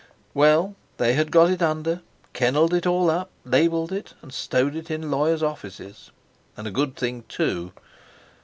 Well! they had got it under, kennelled it all up, labelled it, and stowed it in lawyers' offices. And a good thing too!